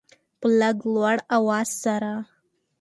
په لږ لوړ اواز سره